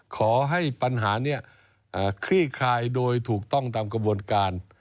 ขอให้ปัญหานี้คลี่คลายโดยถูกต้องตามกระบวนการ